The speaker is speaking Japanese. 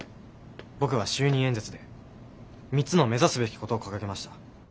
僕は就任演説で３つの目指すべきことを掲げました。